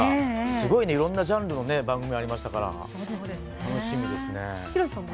すごいいろんなジャンルの番組がありましたから広瀬さんは？